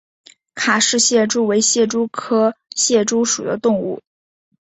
卡氏蟹蛛为蟹蛛科蟹蛛属的动物。